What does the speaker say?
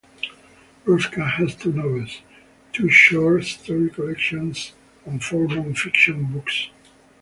Rosca has two novels, two short story collections and four non-fiction books.